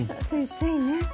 ついついね。